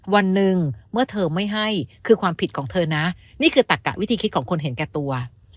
วันหนึ่งเมื่อเธอไม่ให้คือความผิดของเธอนะนี่คือตักกะวิธีคิดของคนเห็นแก่ตัว